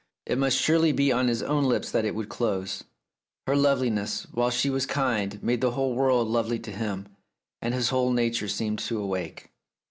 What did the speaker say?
It must surely be on his own lips that it would close. ... Her loveliness, while she was kind, made the whole world lovely to him, and his whole nature seemed to awake.